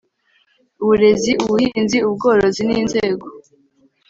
uburezi ubuhinzi ubworozi n inzego